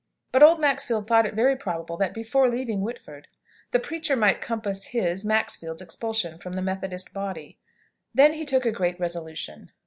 But old Maxfield thought it very probable that, before leaving Whitford, the preacher might compass his (Maxfield's) expulsion from the Methodist body. Then he took a great resolution.